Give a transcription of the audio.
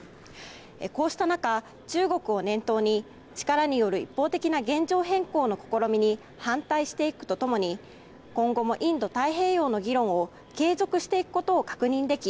こうした中、中国を念頭に力による一方的な現状変更の試みに反対していくとともに今後も、インド太平洋の議論を継続していくことを確認でき